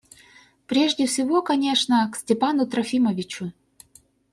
Прежде всего, конечно, к Степану Трофимовичу.